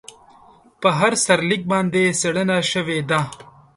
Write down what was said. په هر سرلیک باندې څېړنه شوې ده.